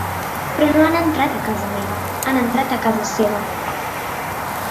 Però no han entrat a casa meva, han entrat a casa seva.